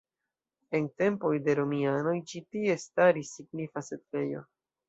En tempoj de romianoj ĉi tie staris signifa setlejo.